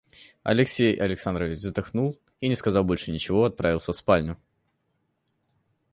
Алексей Александрович вздохнул и, не сказав больше ничего, отправился в спальню.